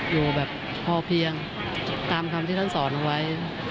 อยู่แบบพอเพียงตามคำที่ท่านสอนไว้